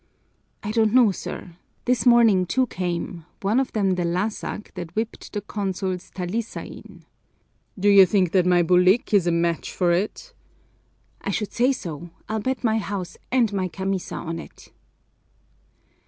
"I don't know, sir. This morning two came, one of them the lásak that whipped the Consul's talisain." "Do you think that my bulik is a match for it?" "I should say so! I'll bet my house and my camisa on it!"